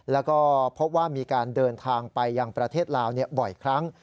แล้วก็พบว่ามีการเดินทางไปยังประเทศลาวบ่อยครั้ง